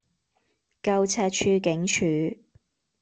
舊赤柱警署